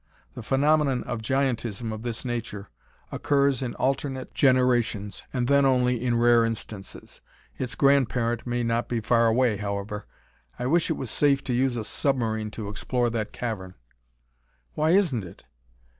The phenomenon of giantism of this nature occurs in alternate generations and then only in rare instances. Its grandparent may not be far away, however. I wish it was safe to use a submarine to explore that cavern." "Why isn't it?"